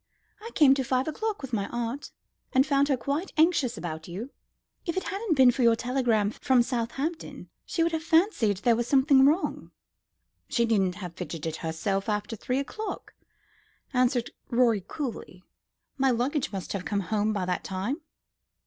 "I came to five o'clock with my aunt, and found her quite anxious about you. If it hadn't been for your telegram from Southampton, she would have fancied there was something wrong." "She needn't have fidgeted herself after three o'clock," answered Rorie coolly; "my luggage must have come home by that time."